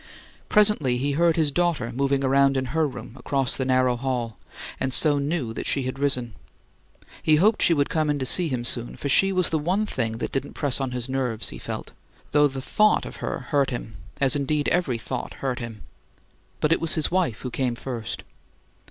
Presently he heard his daughter moving about in her room across the narrow hall, and so knew that she had risen. He hoped she would come in to see him soon, for she was the one thing that didn't press on his nerves, he felt; though the thought of her hurt him, as, indeed, every thought hurt him. But it was his wife who came first.